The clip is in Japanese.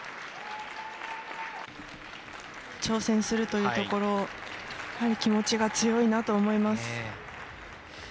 挑戦するというところ気持ちが強いなと思います。